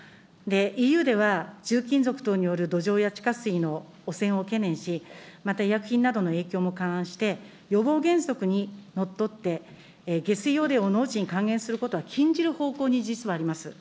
ＥＵでは、重金属等による土壌や地下水の汚染を懸念し、また医薬品などの影響も勘案して、予防原則にのっとって、下水汚泥を農地に還元することは禁じる方向に実はあります。